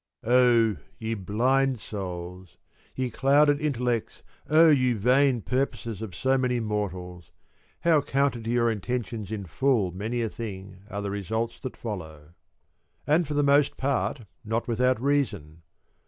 21 Oh, ye blind souls, oh, ye clouded intellects, oh, ye vain purposes of so many mortals, how counter to your intentions in full many a thing are the results that follow ;— and for the most part not without reason